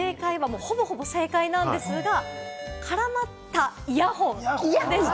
正解はほぼほぼ正解なんですが、絡まったイヤホンでした。